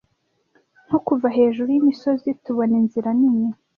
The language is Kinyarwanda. nko kuva hejuru yimisozi tubona inzira nini